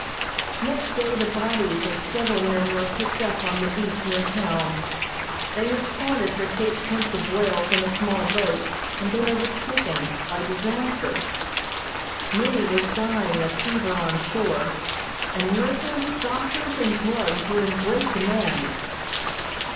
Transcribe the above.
Next day the bodies of several men were picked up on the beach near town. They had started for Cape Prince of Wales in a small boat and been overtaken by disaster. Many were dying of fever on shore, and nurses, doctors and drugs were in great demand.